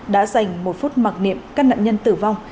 đã dành một phút mặc niệm các nạn nhân tử vong